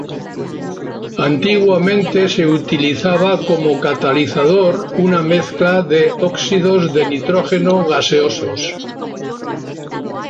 Antiguamente se utilizaba como catalizador una mezcla de óxidos de nitrógeno gaseosos.